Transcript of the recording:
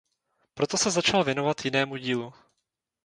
Proto se začal věnovat jinému dílu.